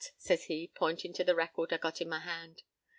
says he, pointin' to the record I got in my hand.